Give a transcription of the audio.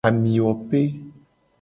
Amiwope.